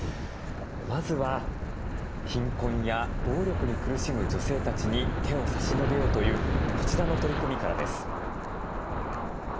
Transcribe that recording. まずは貧困や暴力に苦しむ女性たちに手を差し伸べようというこちらの取り組みからです。